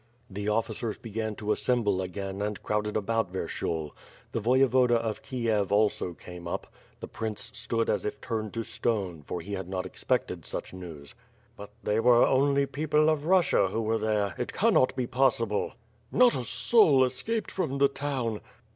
The officers began to assemble again and crowded about Vyershul. The Voyevoda of Kiev also came up. The prince stood as if turned to stone, for he had not expected such news. "But they were only people of Russia who were there. It cannot be possible." "Not a soul escaped from the town."